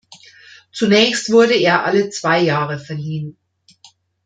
Zunächst wurde er alle zwei Jahre verliehen.